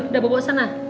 udah bawa sana